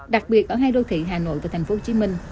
đặc biệt ở hai đô thị hà nội và tp hcm